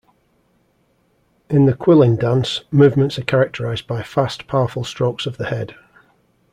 In the qilin dance, movements are characterized by fast, powerful strokes of the head.